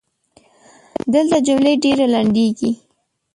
دلته جملې ډېري لنډیږي.